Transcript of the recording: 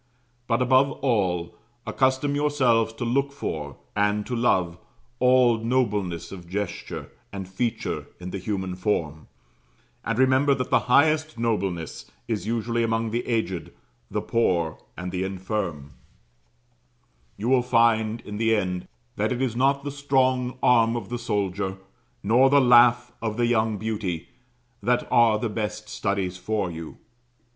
But above all, accustom yourselves to look for, and to love, all nobleness of gesture and feature in the human form; and remember that the highest nobleness is usually among the aged, the poor, and the infirm; you will find, in the end, that it is not the strong arm of the soldier, nor the laugh of the young beauty, that are the best studies for you.